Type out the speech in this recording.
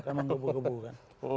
memang gebu gebu kan